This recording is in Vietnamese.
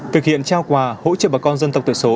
thực hiện trao quà hỗ trợ bà con dân tộc thiểu số